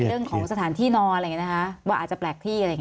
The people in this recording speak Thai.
เรื่องของสถานที่นอนว่าอาจจะแปลกที่